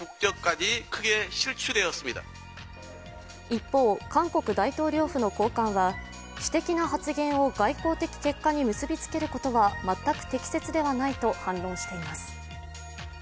一方、韓国大統領府の高官は私的な発言を外交的結果に結びつけることは全く適切ではないと反論しています。